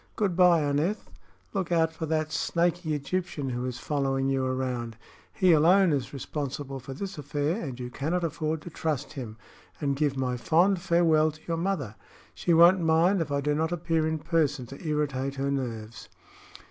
Good by, Aneth. Look out for that snakey Egyptian who is following you around. He alone is responsible for this affair, and you cannot afford to trust him; and give my fond farewell to your mother. She won't mind if I do not appear in person to irritate her nerves."